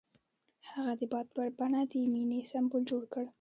هغه د باد په بڼه د مینې سمبول جوړ کړ.